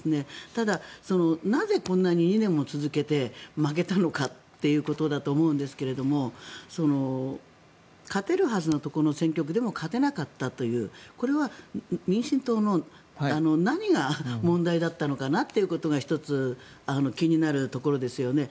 ただ、なぜこんなに２年も続けて負けたのかというところだと思うんですが勝てるはずのところの選挙区でも勝てなかったというこれは民進党の何が問題だったのかなっていうことが１つ、気になるところですよね。